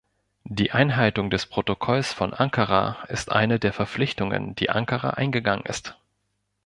Die Einhaltung des Protokolls von Ankara ist eine der Verpflichtungen, die Ankara eingegangen ist.